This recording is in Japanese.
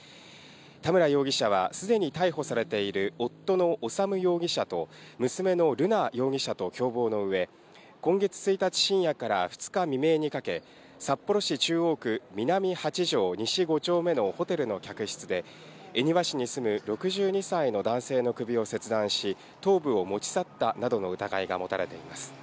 田村容疑者はすでに逮捕されている夫の修容疑者と娘の瑠奈容疑者と共謀のうえ、今月１日深夜から２日未明にかけ、札幌市中央区南８条西５丁目のホテルの客室で、恵庭市に住む６２歳の男性の首を切断し、頭部を持ち去ったなどの疑いが持たれています。